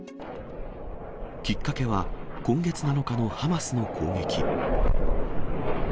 きっかけは今月７日のハマスの攻撃。